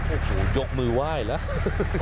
โอ้โหยกมือไหว้แล้ว